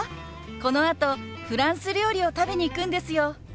このあとフランス料理を食べに行くんですよ。